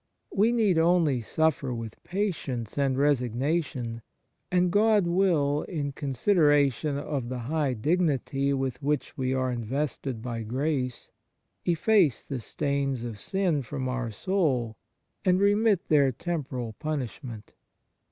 We need only suffer with patience and resignation, and God will, in considera tion of the high dignity with which we are invested by grace, efface the stains of sin from our soul and remit their temporal punishment.